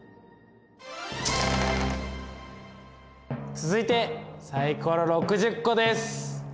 続いてサイコロ６０個です！